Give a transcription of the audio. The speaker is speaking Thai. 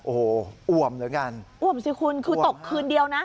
โอ้โหอ่วมเหลือเกินอ่วมสิคุณคือตกคืนเดียวนะ